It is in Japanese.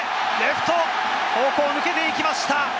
打ってレフト方向へ抜けていきました！